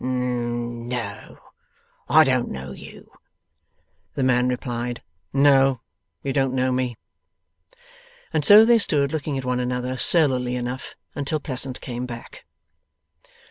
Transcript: N n no, I don't know you.' The man replied, 'No, you don't know me.' And so they stood looking at one another surlily enough, until Pleasant came back.